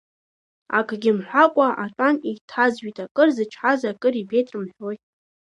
Акгьы мҳәакәа атәан еиҭазжәит, акыр зычҳаз акыр ибеит рымҳәои…